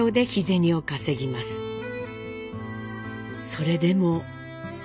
それでも。